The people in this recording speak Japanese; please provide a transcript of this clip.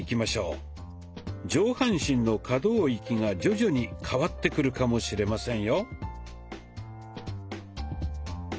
上半身の可動域が徐々に変わってくるかもしれませんよ。